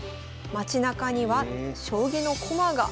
街なかには将棋の駒が。